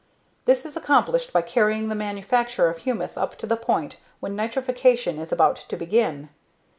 This is accomplished by carrying the manufacture of humus up to the point when nitrification is about to begin.